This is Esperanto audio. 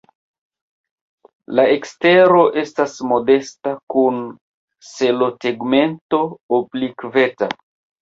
La ekstero etas modesta kun selotegmento oblikveta.